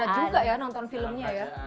banyak juga ya nonton filmnya ya